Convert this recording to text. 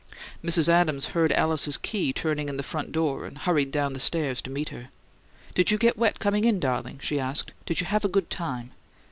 Mrs. Adams heard Alice's key turning in the front door and hurried down the stairs to meet her. "Did you get wet coming in, darling?" she asked. "Did you have a good time?"